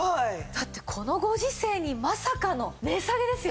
だってこのご時世にまさかの値下げですよ。